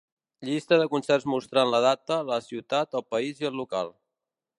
Llista de concerts mostrant la data, la ciutat, el país i el local.